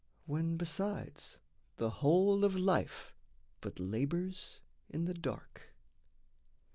when, besides The whole of life but labours in the dark.